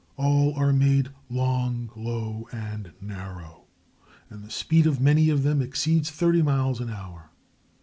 All are made long, low, and narrow, and the speed of many of them exceeds thirty miles an hour.